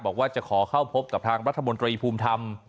บอกว่าจะขอเข้าพบกับทางรัฐมนตรีภูมิธรรม